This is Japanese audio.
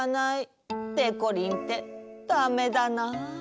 でこりんってダメだなあ。